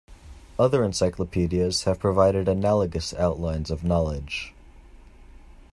Other encyclopedias have provided analogous outlines of knowledge.